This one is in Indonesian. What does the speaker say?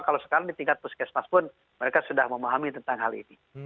kalau sekarang di tingkat puskesmas pun mereka sudah memahami tentang hal ini